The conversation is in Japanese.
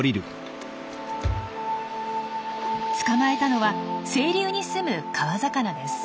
捕まえたのは清流にすむ川魚です。